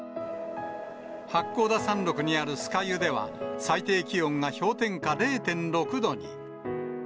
八甲田山麓にある酸ヶ湯では、最低気温が氷点下０．６度に。